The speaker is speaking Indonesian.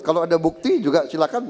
kalau ada bukti juga silakan